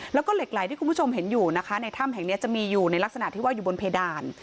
แล้วก็เหล็กไหลที่คุณผู้ชมเห็นอยู่นะคะในถ้ำแห่งนี้จะมีอยู่ในลักษณะที่ว่าอยู่บนเพดาน